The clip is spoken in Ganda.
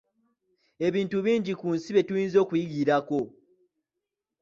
Ebintu bingi ku nsi bye tuyinza okuyigirako.